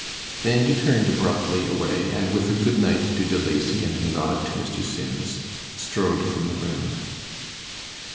Then he turned abruptly away, and with a good night to De Lacy and a nod to Mr. Sims, strode from the room.